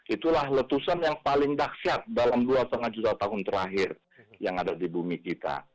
itulah letusan yang paling dahsyat dalam dua lima juta tahun terakhir yang ada di bumi kita